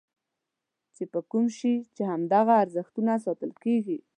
چې په کوم شي چې همدغه ارزښتونه ساتل کېږي.